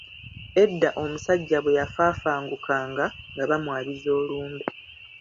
Edda omusajja bwe yafafangukanga nga bamwabiza olumbe.